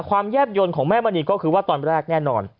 แยบยนต์ของแม่มณีก็คือว่าตอนแรกแน่นอน